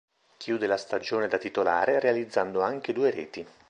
Chiude la stagione da titolare, realizzando anche due reti.